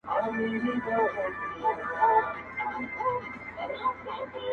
بل فلسطین بله غزه دي کړمه,